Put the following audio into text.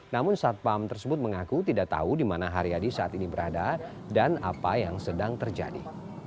namun satpam tersebut mengaku tidak tahu di mana haryadi saat ini berada dan apa yang sedang terjadi